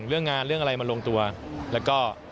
เรื่องงานเรื่องอะไรมันลงตัวแล้วก็